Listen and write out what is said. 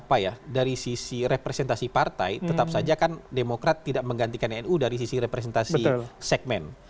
apa ya dari sisi representasi partai tetap saja kan demokrat tidak menggantikan nu dari sisi representasi segmen